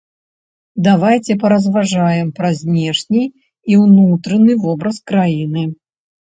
Давайце паразважаем пра знешні і ўнутраны вобраз краіны.